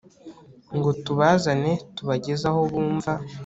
ngo tubazane tubageze aho bumva